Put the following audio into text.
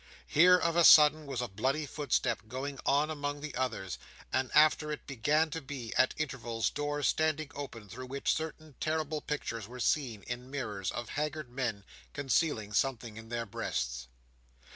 Here, of a sudden, was a bloody footstep going on among the others; and after it there began to be, at intervals, doors standing open, through which certain terrible pictures were seen, in mirrors, of haggard men, concealing something in their breasts.